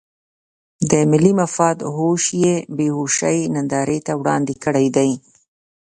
د ملي مفاد هوش یې بې هوشۍ نندارې ته وړاندې کړی دی.